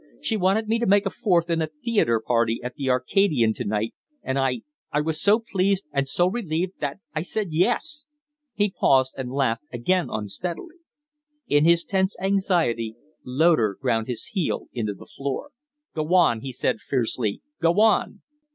She wanted me to make a fourth in a theatre party at the 'Arcadian' to night, and I I was so pleased and so relieved that I said yes!" He paused and laughed again unsteadily. In his tense anxiety, Loder ground his heel into the floor. "Go on!" he said, fiercely. "Go on!" "Don't!"